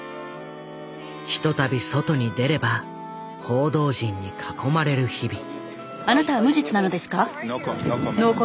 ひとたび外に出れば報道陣に囲まれる日々。